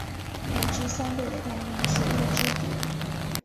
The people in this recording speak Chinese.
与之相对的概念是物知觉。